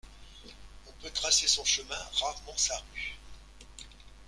On peut tracer son chemin, rarement sa rue.